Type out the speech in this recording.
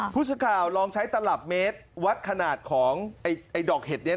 ภูชาข่าวลองใช้ตลับเมตรวัดขนาดของไอ้ดอกเห็ดเนี่ยนะ